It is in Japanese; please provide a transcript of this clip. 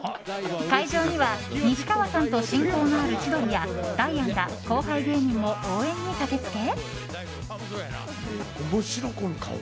会場には西川さんと親交のある千鳥やダイアンら後輩芸人も応援に駆け付け。